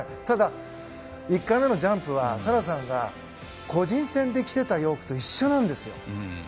ただ１回目のジャンプは沙羅さんが個人戦で着ていたスーツと一緒なんですよ。